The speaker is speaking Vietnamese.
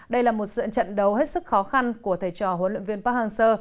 đây là một sự trận đấu hết sức khó khăn của thầy trò huấn luyện viên park hang seo